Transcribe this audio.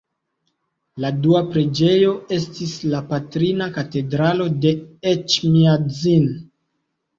La dua preĝejo estis la Patrina Katedralo de Eĉmiadzin.